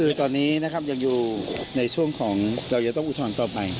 สิทธิ์ตอนนี้ยังอยู่ในช่วงของเราจะต้องอุทวนต่อไป